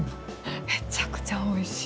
めちゃくちゃおいしい。